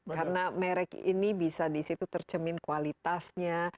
karena merek ini bisa disitu tercemin kualitasnya